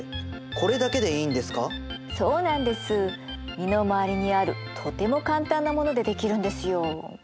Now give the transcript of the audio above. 身の回りにあるとても簡単なものでできるんですよ。